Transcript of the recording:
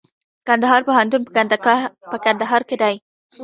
کندهار پوهنتون په کندهار کي دئ.